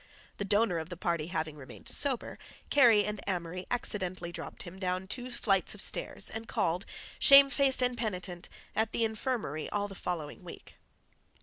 The donor of the party having remained sober, Kerry and Amory accidentally dropped him down two flights of stairs and called, shame faced and penitent, at the infirmary all the following week.